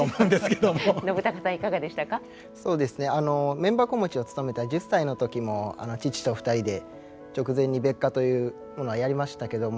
面箱持ちをつとめた１０歳の時も父と２人で直前に別火というものやりましたけども。